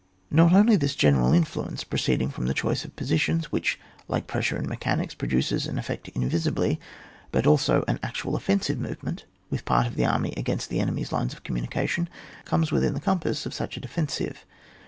Not only this general influence, pro ceeding from the choice of positions, which, like pressure in mechanics, pro duces an effect invmhliff but also an actual offensive movement with part of the army against the enemy's lines of communication, comes within the compass of such a defensive.